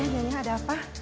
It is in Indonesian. neng ada apa